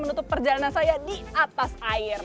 menutup perjalanan saya di atas air